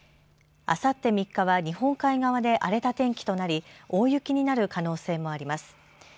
あさって３日は日本海側で荒れた天気となり大雪になる可能性もあります。